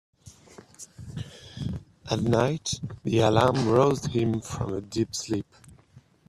At night the alarm roused him from a deep sleep.